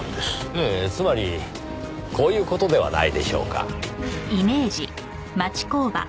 ええつまりこういう事ではないでしょうか。